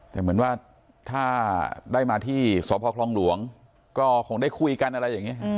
แต่เหมือนว่าถ้าได้มาที่สพคลองหลวงก็คงได้คุยกันอะไรอย่างนี้